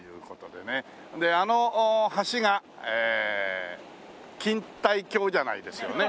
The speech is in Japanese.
であの橋が錦帯橋じゃないですよね。